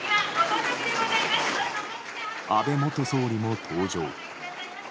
安倍元総理も登場。